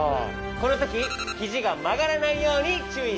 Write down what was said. このときひじがまがらないようにちゅういしようね！